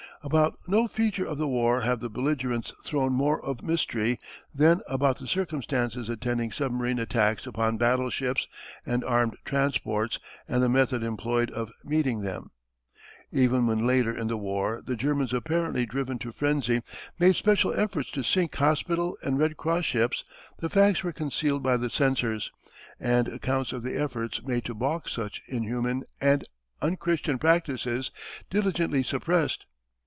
About no feature of the war have the belligerents thrown more of mystery than about the circumstances attending submarine attacks upon battleships and armed transports and the method employed of meeting them. Even when later in the war the Germans apparently driven to frenzy made special efforts to sink hospital and Red Cross ships the facts were concealed by the censors, and accounts of the efforts made to balk such inhuman and unchristian practices diligently suppressed.